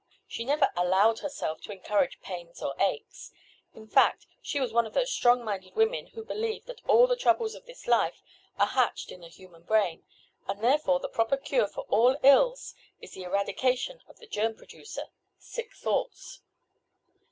She never "allowed herself" to encourage pains or aches; in fact she was one of those strong minded women who believe that all the troubles of this life are hatched in the human brain, and, therefore the proper cure for all ills is the eradication of the germ producer—sick thoughts.